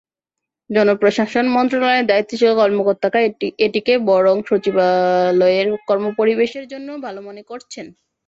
জনপ্রশাসন মন্ত্রণালয়ের দায়িত্বশীল কর্মকর্তারা এটিকে বরং সচিবালয়ের কর্মপরিবেশের জন্য ভালো মনে করছেন।